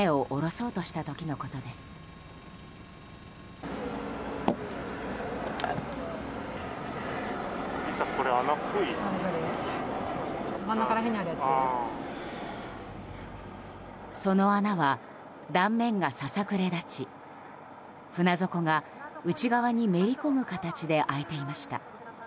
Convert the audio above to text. その穴は断面がささくれ立ち船底が内側にめり込む形で開いていました。